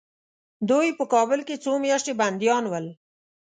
دوی په کابل کې څو میاشتې بندیان ول.